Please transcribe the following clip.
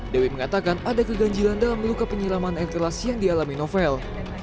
dewi mengatakan ada keganjilan dalam luka penyiraman air keras yang dialami novel